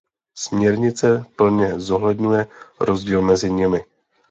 Směrnice plně zohledňuje rozdíl mezi nimi.